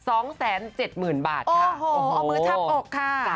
โอ้โหเอามือชับอกค่ะ